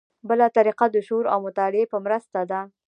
بله طریقه د شعور او مطالعې په مرسته ده.